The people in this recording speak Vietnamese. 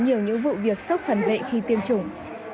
có nhiều những vụ việc sốc phần vệ khi tiêm chủng